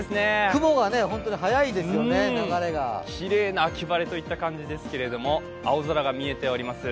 雲が本当に早いですよね、流れがきれいな秋晴れといった感じですけれども、青空が見えております。